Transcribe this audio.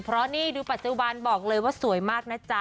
เพราะนี่ดูปัจจุบันบอกเลยว่าสวยมากนะจ๊ะ